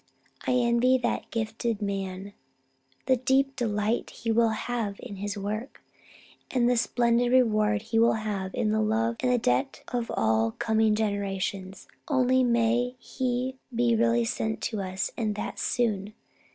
I envy that gifted man the deep delight he will have in his work, and the splendid reward he will have in the love and the debt of all coming generations. Only, may he be really sent to us, and that soon!